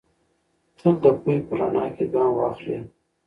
تل د پوهې په رڼا کې ګام واخلئ.